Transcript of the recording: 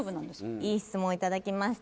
いい質問いただきました